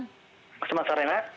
selamat sore mak